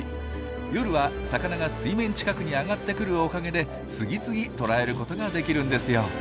夜は魚が水面近くに上がってくるおかげで次々捕らえることができるんですよ。